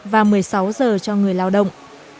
và một mươi sáu giờ cho người lao động